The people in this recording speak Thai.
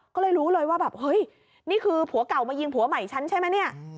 ก็เลยรู้เลยว่าแบบเฮ้ยนี่คือผัวเก่ามายิงผัวใหม่ฉันใช่ไหมเนี่ย